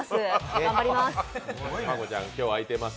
頑張りまーす。